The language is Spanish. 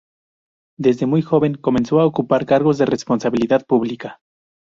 Desde muy joven comenzó a ocupar cargos de responsabilidad pública.